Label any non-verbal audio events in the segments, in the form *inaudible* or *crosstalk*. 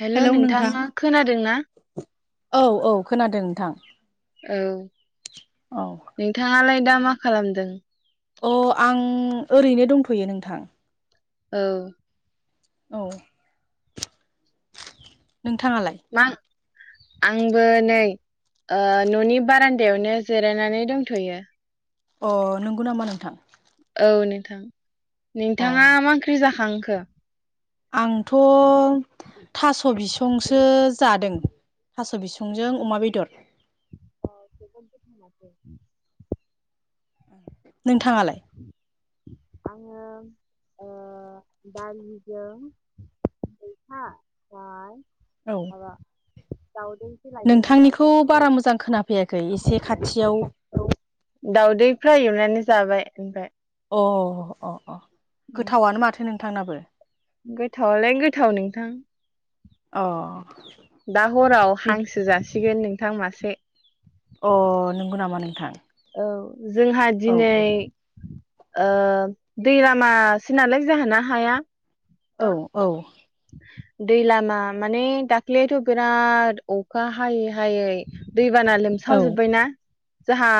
हेल' hello नोंथां नोंथाङा खोनादों ना? औ औ खोनादों नोंथां। औ औ नोंथाङालाय दा मा खालामदों? अ आं ओरैनो दंथ'यो नोंथां। औ औ नोंथाङालाय? मा आंबो नै ओ न'नि बारान्दायावनो जिरायनानै दंथ'यो । अ नंगौ नामा नोंथां? औ नोंथां अ नोंथाङा मा ओंख्रि जाखांखो? आंथ' थास' बिसंसो जादों। थास' बिसंजों अमा बेदर। *inaudible* नोंथाङालाय? आङो ओ दालिजों मैथा ओमफ्राय औ माबा दाउदैसो लायदोंमोन दाउदै नोंथांनिखौ फ्राय बारा मोजां खोनाफैयाखै एसे खाथियाव दावदै फ्राय एवनानै जाबाय ओमफ्राय अ अ अ गोथावानो माथो नोंथांनाबो गोथावालाय गोथाव नोंथां अ दा हराव बि हांसो जासिगोन नोंथां मासे अ नंगौ नामा नोंथां? औ जोंहा औ औ दिनै ओ दै लामासो नालाय जोंहाना हाया औ औ दै लामा माने दाखलैथ' बिराद अखा हायै हायै दैबाना औ लोमसाजोब्बायना जोंहा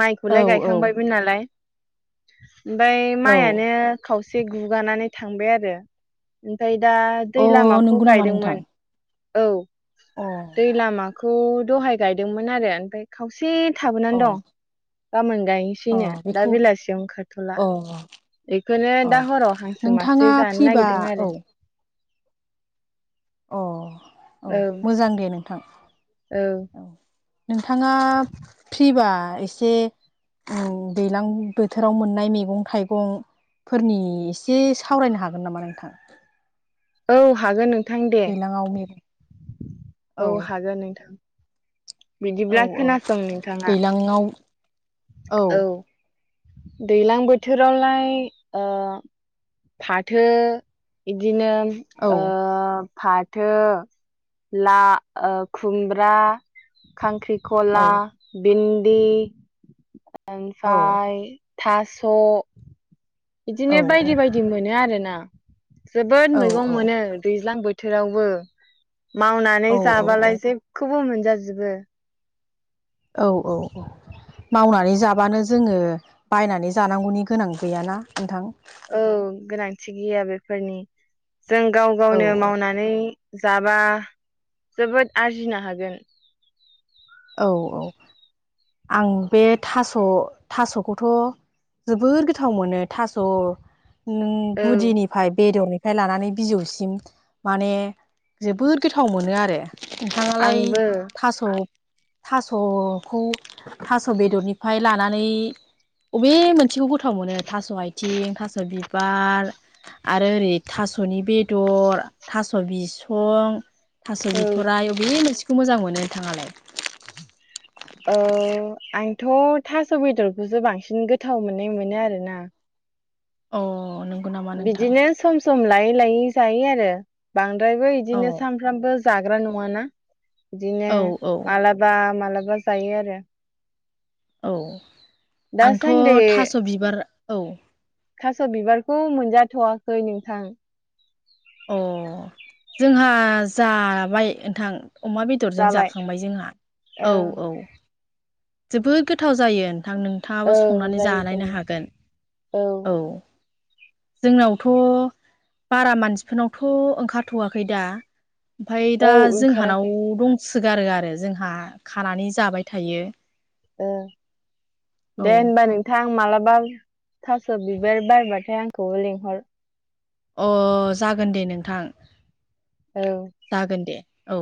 माइखौलाय औ औ गायखांबायमोन नालाय ओमफ्राय औ माइआानो खावसे गुगानानै थांबाय आरो ओमफ्राय दा दै अ लामाखौ नंगौ नामा नोंथां? गायदोंमोन औ अ दै लामाखौ दहाय गायदोंमोन आरो ओमफ्राय खावसे थाबोनानै दं अ गाबोन गायनोसैनो दा बेखौ बेलासियाव ओंखारथ'ला अ बेखौनो अ दा हराव हांसो नोंथाङा माासो जानो फ्रिबा नागिरदों औ आरो अ औ मोजां दे नोंथां । औ नोंथाङा फ्रि बा एसे उम दैज्लां बोथोराव मोननाय मैगं-थाइगं फोरनि एसे सावरायनो हागोन नामा नोंथां? औ हागोन नोंथां दे दैलाङाव मैगं औ हागोन नोंथां औ बिदिब्ला औ खोनासं नोंथाङा दैलाङाव औ दै्लां बोथोरावलाय फाथो बिदिनो औ ओ फाथो ला ओ खुमब्रा खांख्रि औ कला भिन्दि औ ओमफ्राय थास' औ बिदिनो बायदि बायदि मोनो आरोना जोबोद औ मैगं मोनो दैज्लां बोथोरावबो मावनानै औ जाबालाय जेबखौबो मोनजाजोबो। औ औ औ। मावनानै जाबानो जोङो बायनानै जानांगौनि गोनां गैयाना नोंथां? औ गोनांथि गैया बेफोरनि जों गाव औ गावनो औ मावनानै जाबा जोबोद आरजिनो हागोन। औ औ आं बे थास' थास' खौथ' जाबोर गोथाव मोनो थास' ओ औ गुदिनिफ्राय बेदरनि फ्राय लानानै बिजौसिम माने जोबोद गोथाव मोनो आरो। नोंथाङालाय आंबो थास' थास'खौ थास' बेदरनिफ्राय लानानै अबे मोनसेखौ गोथाव मोनो थास' आथिं थास' बिबार आरो ओरै था स'नि बेदर थास' बिसं थास' औ बिथ'राय अबे मोनसेखौ मोजां मोनो नोंथाङालाय? थ' थास' बेदरखौसो बांसिन गोथाव मोननाय मोनो आरोना। अ नों बिदिनो सम सम लायै लायै जायो आरो बांद्रायबो औ बिदिनो सानफ्रामबो जाग्रा नङाना बिदिनो औ औ मालाबा मालाबा जायो आरो औ आंथ' दासान्दि थास' बिबार औ थास' बिबारखौ मोनजाथ'वाखै नोंथां अ जोंहा जाबाय नोंथां अमा बेदरजों जाबाय जाखांबाय जोंहा, औ औ जोबोद गोथाव जायो नोंथां, औ नोंथाङाबो संनानै जायो जानायनो जायो हागोन औ। जोंनावथ' बारा मानसिफोरनावथ' ओंखारथ'वाखै दा ओमफ्राय औ दा जोंहानाव ओंखाराखै दं सोगारो आरो जोंहा खानानै जाबाय थायो। औ दे होनबा नोंथां मालाबा थास' बिबार बारबाथाय आंखौबो लेंहर । अ जागोन दे नोंथां औ जागोन दे। औ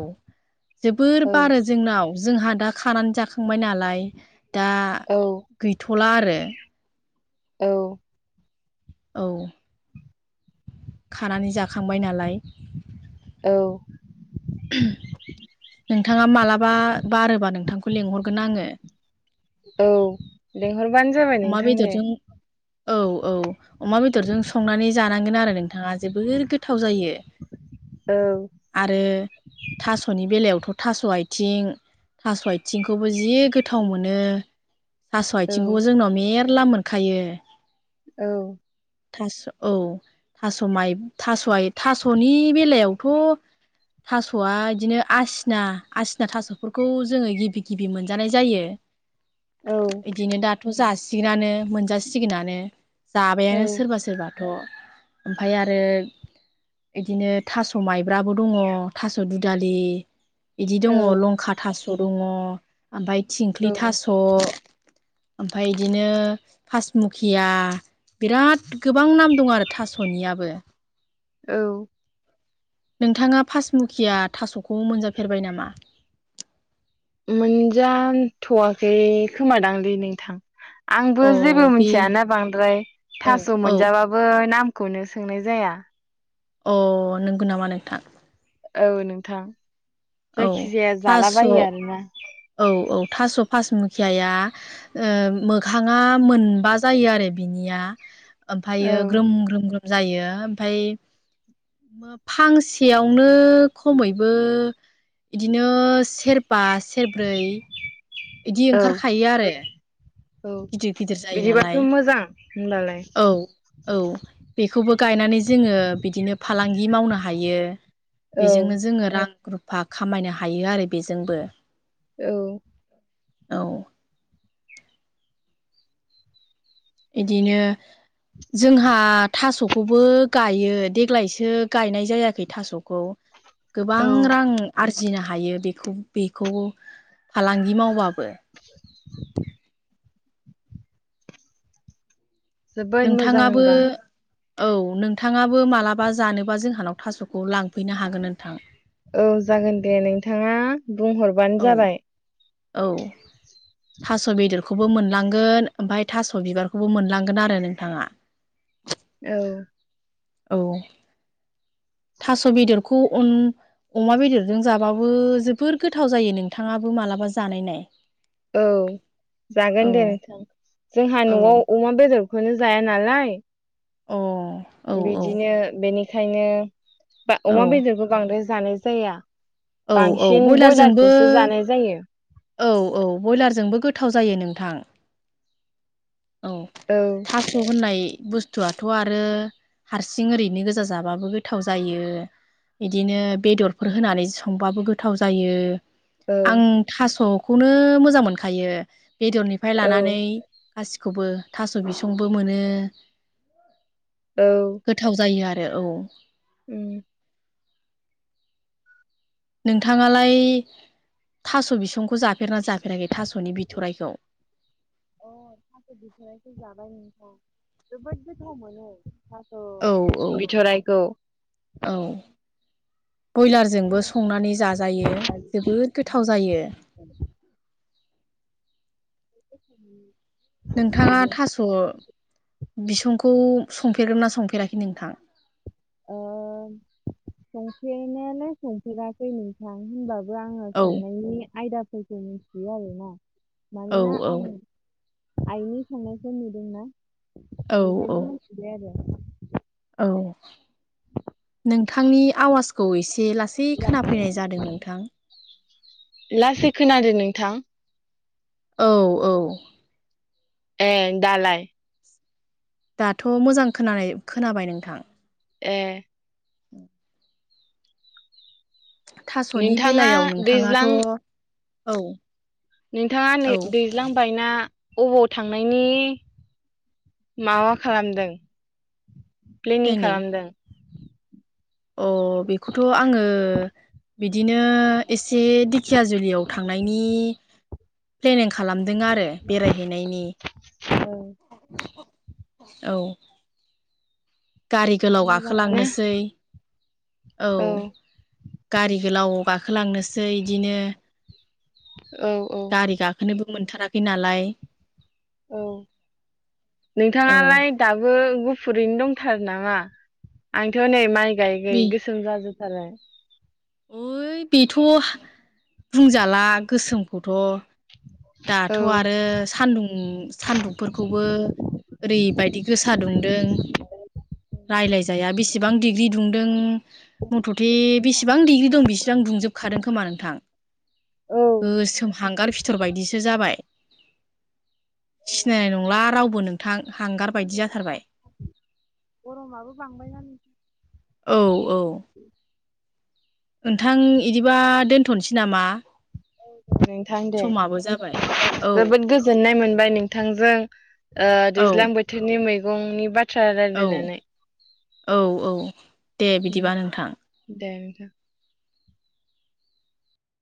जोबोर औ बारो जोंनाव जोंहा दा खानानै जाखांबाय नालाय दा औ गैथ'ला आरो। औ। औ। खानानै जाखांबाय नालाय। औ। *inaudible* नोंथाङा मालाबा बारोबा नोंथांखौ लिंहरगोन आङो। औ लिंहरबानो जाबाय अमा नोंथां दे बेदरजों । औ औ अमा बेदरजों संनानै जानांगोन आरो नों थाङा जोबोर गोथाव जायो औ आरो थास'नि बेलायावथ' थास' आथिं थास' आथिंखौबो जि गोथाव मोनो थास' औ आथिं खौबो जोंनाव मेरला मोनखायो। औ। थास' औ थास' माइ थास' आ थास'नि बेलायावथ' थास'आ बिदिनो आसिना आसिना थास'फोरखौ जोङो गिबि गिबि मोनजानाय जायो। औ बिदिनो दाथ' जासिगोनानो, मोनजासिगोनानो औ जाबायानो सोरबा सोरबाथ'। ओमफाय आरो बिदिनो थास' माइब्राबो दङ, थास' दुदालि बिदि दङ औ लंखा थास' दङ ओमफ्राय औ थिंख्लि थास' ओमफफ्राय बिदिनो फासमुखिया बिराद गोबां नाम दं आरो थास'नियाबो। औ नोंथाङा पासमुकिया थास'खौ मोनजाफेरबाय नामा? मोनजाथ'वाखै खोमादांलै नोंथां, आंबो अ जेबो बे मिथियाना बांद्राय, औ थास' औ मोनजाबाबो नाम खौनो सोंनाय जाया। अह नंगौ नामा नोंथां? औ नोंथां। औ जायखिजाया थास' जालाबायो आरोना औ औ थास' पासमुखियाया ओ मोखाङा मोनबा जायो आरो बिनिया। औ ओमफ्रायो ग्रोम ग्रोम ग्रोम जायो। ओमफाय फांसेयावनो खमैबो बिदिनो सेरबा सेरब्रै बिदि औ ओंखारखायो आरो, औ गिदिर गिदिर जायो बिदिबाथ' नालाय। मोजां होनबालाय औ औ बेखौबो गायनानै जोङो बिदिनो फालांगि मावनो हायो। औ बेजोंनो जोङो रां रुफा खामायनो हायो आरो बेजोंबो। औ। औ। बिदिनो जोंहा थास' खौबो गायो देग्लायसो गायनाय जायाखै थास'खौ। गोबां औ रां आरो जिनो हायो बेखौ बेखौ फालांगि मावबाबो जोबोद मोजां नोंथाङाबो होनबा औ नोंथाङाबो मालाबा जानोबा जोंहानाव थास'खौ लांफैनो हागोन नोंथां औ जागोन दे नोंथाङा बुंहरबानो औ जाबाय औ थास' बेदरखौबो मोनलांगोन ओमफाय थास' बिबारखौबो मोनलांगोन आरो नोंथाङा औ औ थास' बेदरखौ अ अमा बेदरजों जाबाबो जोबोर गोथाव जायो नोंथाङाबो मालाबा जानाय नाय औ जागोन दे नोंथां जोंहा औ न'आव अमा बेदर खौनो जाया नालाय अ औ बिदिनो बेनिखायनो औ अमा बेदरखौ बांद्राय जानाय जाया औ औ बांसिन बयलारजोंबो ब्रयलारखौसो जानाय जायो औ औ बयलारजोंबो गोथाव जायो नोंथां औ थास' होननाय बुस्थुआथ' आरो हारसिं ओरैनो गोजा जाबाबो गोथाव जायो बिदिनो बेदरफोर होनानै संबाबो गोथाव जायो औ आं थास'खौनो मोजां मोनखायो बेदरनिफ्राय औ लानानै गासिखौबो थास' बिसंबो मोनो औ गोथाव जायो आरो औ उम नोंथाङालाय थास' बिसंखौ जाफेरना जाफेराखै थास'नि बिथराइखौ अ थास बिथराखौ जाबाय नोंथां जोबोद गोथाव मोनो अ औ औ बिथरायखौ ब्रयलारजोंबो संनानै जाजायो जोबोर गोथाव जायो *inaudible* नोंथाङा थास' बिसंखौ संफेरदोंना संफेराखै नोंथां ओ संफेरनायालाय संफेराखै नोंथां होनबाबो बो आङो औ संनायनि आयदाफोरखौ मिथियो आरोना औ मानोना औ आं आइनि संनायखौ नुदोंना औ औ बेनिफ्रायनो मिथिबाय आरो औ नोंथांनि आवाजखौ एसे लासै खोनाफैनाय जादों नोंथां लासै खोनादों नोंथां औ औ ए दालाय दाथ' मोजां खोनानाय खोनाबाय नोंथां ए *inaudible* थास'नि नोंथाङा बेलायाव नोंथाङाथ' दैज्लां औ नोंथाङा औ दैज्लांबायना अबाव थांनायनि माबा खालामदों प्लेनिं खालामदों अ बेखौथ' आङो बिदिनो इसे दिखियाजुलियाव थांनायनि प्लेनिं खालामदों आरो बेरायहैनायनि। औ। गारि गोलाव गाखोलांनोसै औ। गारि गोलाव गाखोलांनोसै इदिनो औ औ। गारि गाखोनोबो मोनथाराखै नालाय औ औ नोंथाङालाय दाबो गु फुरैनो दंथारो नामा आंथ' नै माइ गायै बे गायै गोसोम जाजोब थारबाय। ओइ बेथ' बुंजाला गोसोमखौथ' औ दाथ' आरो सान्दुं सान्दुंफोरखौबो ओरैबायदि गोसा दुंदों। रायलायजाया बेसेबां डिग्रि दुंदों मुथथे बिसि बां दिग्रि दं बिसिबां दुंजोबखादों खोमा नोंथां। औ गोसोम हांगार फिथर बायदिसो जाबाय। सिनायनाय नंला रावबो नोंथां हांगार बायदि दासान्दि बिराद जाथारबाय। गरमाबो बांबायना नों औ। औ *inaudible* नोंथां इदिबा दोनथ'नोसै नामा? नोंथां दे समाबो जाबाय औ जोबोद गोजोननाय मोन बाय नोंथांजों ओ औ दैज्लां बोथोरनि मैगंनि बा थ्रा औ रायलायनानै औ औ दे ओम बिदिबा नोंथां दे। *inaudible*